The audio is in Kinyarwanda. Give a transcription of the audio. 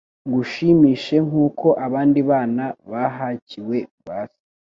ngushimishe nk'uko abandi bana bahakiwe base